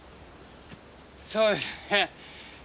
そうですね